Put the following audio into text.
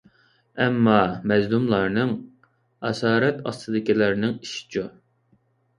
ئەمما، مەزلۇملارنىڭ، ئاسارەت ئاستىدىكىلەرنىڭ ئىشىچۇ؟